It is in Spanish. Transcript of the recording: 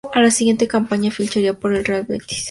A la siguiente campaña ficharía por el Real Betis "B".